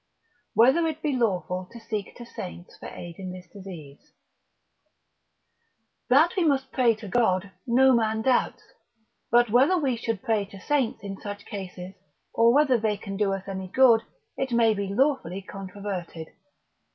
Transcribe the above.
Whether it be lawful to seek to Saints for Aid in this Disease. That we must pray to God, no man doubts; but whether we should pray to saints in such cases, or whether they can do us any good, it may be lawfully controverted.